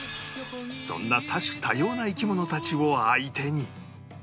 そんな多種多様な生き物たちを相手に